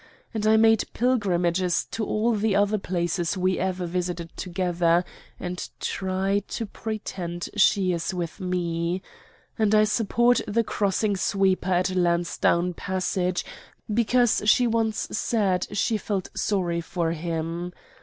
And I make pilgrimages to all the other places we ever visited together, and try to pretend she is with me. And I support the crossing sweeper at Lansdowne Passage because she once said she felt sorry for him.